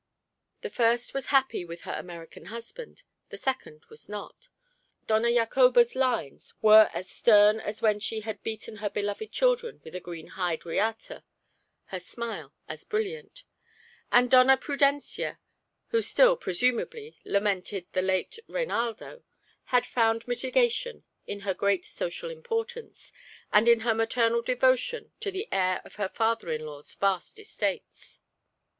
The first was happy with her American husband; the second was not; Doña Jacoba's lines were as stern as when she had beaten her beloved children with a green hide reata, her smile as brilliant; and Doña Prudencia, who still (presumably) lamented the late Reinaldo, had found mitigation in her great social importance, and in her maternal devotion to the heir of her father in law's vast estates.